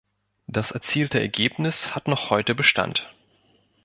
Das erzielte Ergebnis hat noch heute Bestand.